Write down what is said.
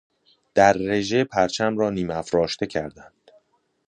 در رژه پرچم را نیمافراشته کردن